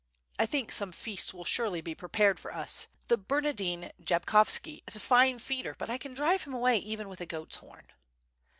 I think some feasts will surely be prepared for us. The Bemardine Jabkovski is a fine feeder but I can drive him away even with a goafs horn."